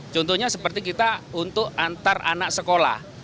contohnya seperti kita untuk antar anak sekolah